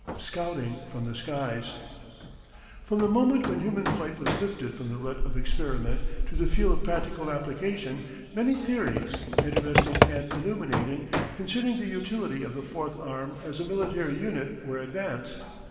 SCOUTING FROM THE SKIES From the moment when human flight was lifted from the rut of experiment to the field of practical application, many theories, interesting and illuminating, concerning the utility of the Fourth Arm as a military unit were advanced.